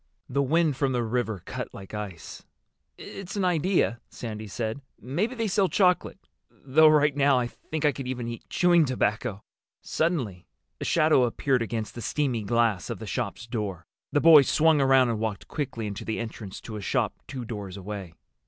The wind from the river cut like ice. "It's an idea," Sandy said. "Maybe they sell chocolate. Though right now I think I could even eat chewing tobacco." Suddenly a shadow appeared against the steamy glass of the shop's door. The boys swung around and walked quickly into the entrance to a shop two doors away.